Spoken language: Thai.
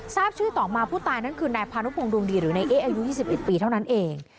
ทราบชื่อต่อมาผู้ตายนั่นคือนายพานุพงดวงดีหรือนายเอ๊อายุ๒๑ปีเท่านั้นเอง